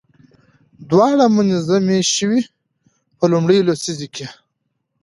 دواړه منظمې شوې. په لومړيو لسيزو کې